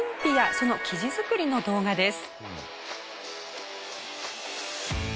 その生地作りの動画です。